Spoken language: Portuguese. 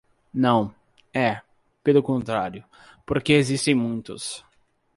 Não, é, pelo contrário, porque existem muitos.